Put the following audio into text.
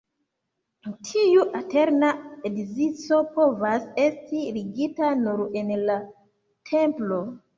Tiu eterna edzeco povas esti ligita nur en la templo.